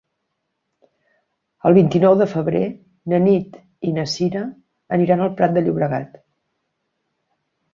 El vint-i-nou de febrer na Nit i na Cira aniran al Prat de Llobregat.